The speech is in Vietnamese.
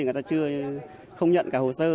người ta chưa không nhận cả hồ sơ